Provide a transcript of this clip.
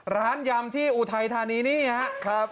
ร้านยำที่อุทัยธนีนี้นี่ฮะ